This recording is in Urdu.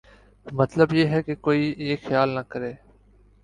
مطلب یہ ہے کہ کوئی یہ خیال نہ کرے